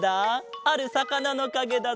あるさかなのかげだぞ。